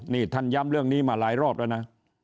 นี่ท่านย้ำเรื่องนี้มาหลายรอบแล้วนะ